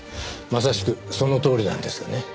まさしくそのとおりなんですがね。